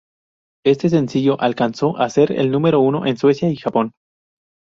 Este sencillo alcanzó a ser el número uno en Suecia y Japón.